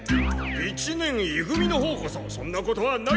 一年い組のほうこそそんなことはない！